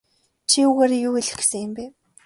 Чи үүгээрээ юу хэлэх гэсэн юм бэ?